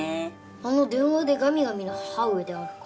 あの電話でガミガミの母上であるか？